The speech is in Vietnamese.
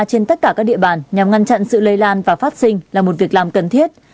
trên tất cả các địa bàn nhằm ngăn chặn sự lây lan và phát sinh là một việc làm cần thiết